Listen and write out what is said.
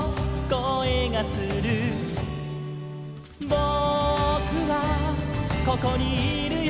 「ぼくはここにいるよ」